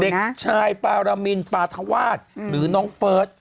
เด็กชายปารมินปาธวาสหรือน้องเฟิร์ส